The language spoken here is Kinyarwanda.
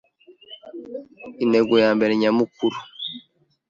intego ya mbere nyamukuru,